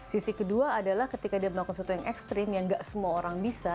sisi kedua adalah ketika dia melakukan sesuatu yang ekstrim yang gak semua orang bisa